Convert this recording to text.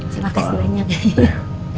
terima kasih banyak